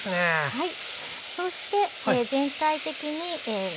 はい。